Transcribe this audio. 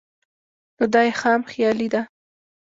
نو دا ئې خام خيالي ده